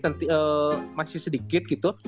nanti masih sedikit gitu